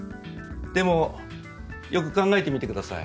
でもよく考えてみてください。